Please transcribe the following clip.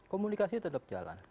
komunikasi tetap jalan